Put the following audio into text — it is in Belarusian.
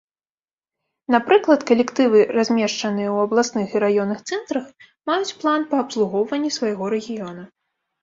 Напрыклад, калектывы, размешчаныя ў абласных і раённых цэнтрах, маюць план па абслугоўванні свайго рэгіёна.